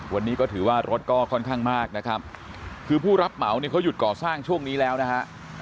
วันนี้ก็ถือว่ารถก็ค่อนข้างมากนะครับคือผู้รับเหมาเนี่ยเขาหยุดก่อสร้างช่วงนี้แล้วนะฮะ